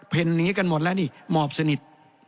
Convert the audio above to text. เห็นหนีกันหมดแล้วนี่หมอบสนิท